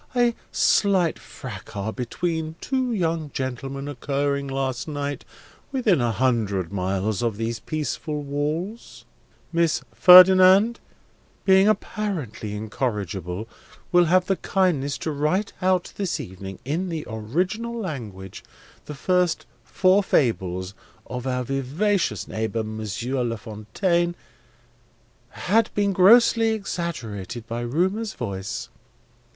A slight fracas between two young gentlemen occurring last night within a hundred miles of these peaceful walls (Miss Ferdinand, being apparently incorrigible, will have the kindness to write out this evening, in the original language, the first four fables of our vivacious neighbour, Monsieur La Fontaine) had been very grossly exaggerated by Rumour's voice.